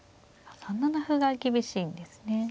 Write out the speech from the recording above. あっ３七歩が厳しいんですね。